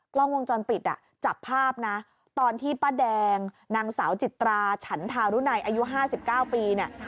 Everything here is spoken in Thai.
กล้องวงจรปิดอ่ะจับภาพนะตอนที่ป้าแดงนางสาวจิตราชฉันทารุณัยอายุ๕๙ปีเนี่ย